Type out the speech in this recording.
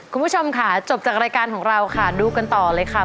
คุณผู้ชมค่ะจบจากรายการของเราค่ะดูกันต่อเลยค่ะ